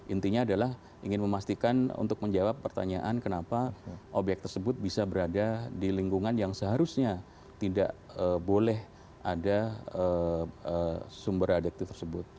intinya adalah ingin memastikan untuk menjawab pertanyaan kenapa obyek tersebut bisa berada di lingkungan yang seharusnya tidak boleh ada sumber adiktif tersebut